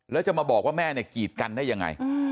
แล้วจะมาบอกว่าแม่เนี่ยกีดกันได้ยังไง